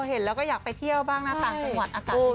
เห็นแล้วก็อยากไปเที่ยวบ้างนะต่างจังหวัดอากาศดี